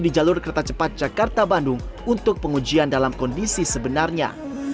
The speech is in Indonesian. di jalur kereta cepat jakarta bandung untuk pengujian dalam kondisi sebenarnya